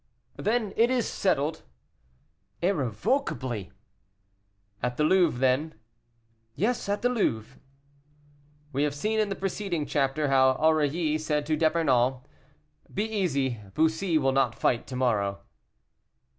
"Then it is settled?" "Irrevocably." "At the Louvre, then?" "Yes, at the Louvre." We have seen in the preceding chapter how Aurilly said to D'Epernon, "Be easy, Bussy will not fight to morrow."